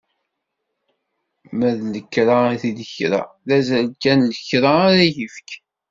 Ma d lekra i t-id-ikra, d azal kan n lekra ara yefk.